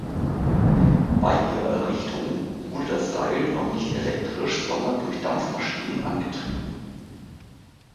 Bei ihrer Errichtung wurde das Seil noch nicht elektrisch, sondern durch Dampfmaschinen angetrieben.